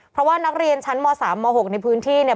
เพราะว่านักเรียนชั้นม๓ม๖ในพื้นที่เนี่ย